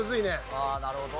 ああなるほど。